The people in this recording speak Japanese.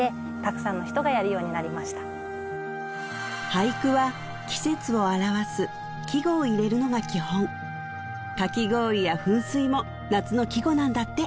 俳句は季節を表す季語を入れるのが基本かき氷や噴水も夏の季語なんだって